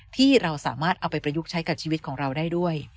ที่เราสามารถเอาไปประยุกต์ใช้กับชีวิตของเราได้ด้วย